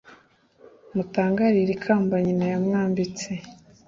mutangarire ikamba Nyina yamwambitse